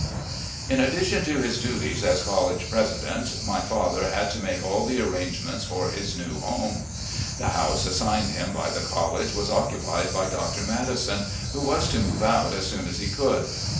In addition to his duties as college president, my father had to make all the arrangements for his new home. The house assigned him by the college was occupied by Dr. Madison, who was to move out as soon as he could.